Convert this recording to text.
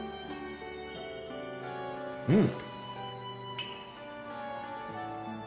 うん。